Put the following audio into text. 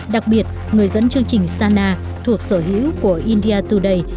đặc biệt người dẫn chương trình sana thuộc sở hữu của india today